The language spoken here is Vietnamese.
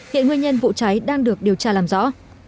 hiện nguyên nhân vụ cháy đang được điều tra làm rõ